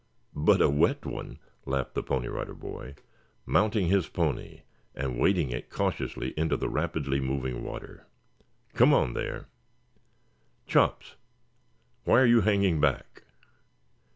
"But a wet one," laughed the Pony Rider Boy, mounting his pony and wading it cautiously into the rapidly moving water. "Come on there, Chops. Why are you hanging back?"